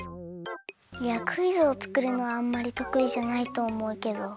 いやクイズをつくるのはあんまりとくいじゃないとおもうけど。